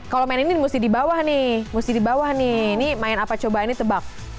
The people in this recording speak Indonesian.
kalau main ini mesti di bawah nih mesti di bawah nih ini main apa coba ini tebak